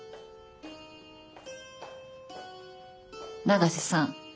永瀬さん